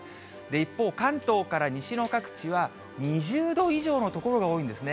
一方、関東から西の各地は２０度以上の所が多いんですね。